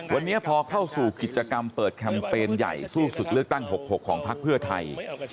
วันนี้พอเข้าสู่กิจกรรมเปิดแคมเปญใหญ่สู้ศึกเลือกตั้ง๖๖ของพักเพื่อไทย